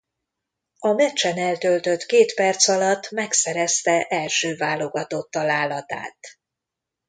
A meccsen eltöltött két perc alatt megszerezte első válogatott találatát.